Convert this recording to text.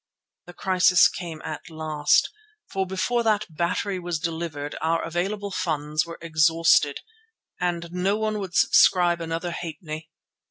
The crisis came at last, for before that battery was delivered our available funds were exhausted, and no one would subscribe another halfpenny.